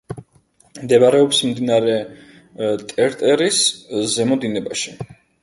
მდებარეობს მდინარე ტერტერის ზემო დინებაში.